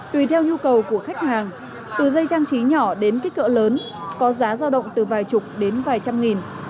tùy theo nhu cầu của khách hàng từ dây trang trí nhỏ đến kích cỡ lớn có giá giao động từ vài chục đến vài trăm nghìn